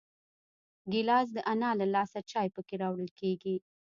ګیلاس د انا له لاسه چای پکې راوړل کېږي.